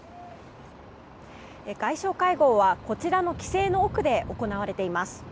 外相会合はこちらの規制の奥で行われています。